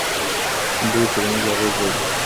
سندرې ټولنیز اغېز لري.